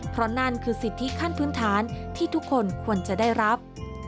เพราะนั่นคือสิทธิขั้นพื้นฐานที่ทุกคนควรจะได้รับ